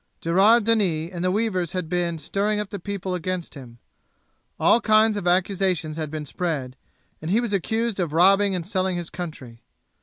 Gerard Denis and the weavers had been stirring up the people against him. All kinds of accusations had been spread, and he was accused of robbing and selling his country.